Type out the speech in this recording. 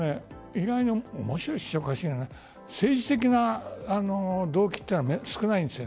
意外に面白いと言ったらおかしいけど政治的な動機というのは少ないんですよ。